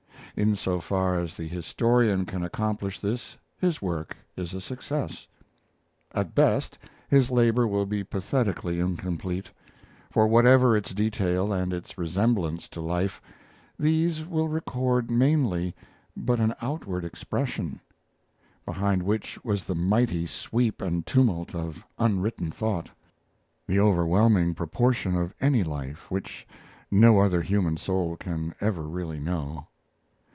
In so far as the historian can accomplish this his work is a success. At best his labor will be pathetically incomplete, for whatever its detail and its resemblance to life, these will record mainly but an outward expression, behind which was the mighty sweep and tumult of unwritten thought, the overwhelming proportion of any life, which no other human soul can ever really know.